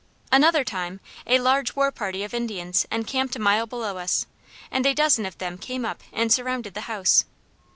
"Another time, a large war party of Indians encamped a mile below us, and a dozen of them came up and surrounded the house.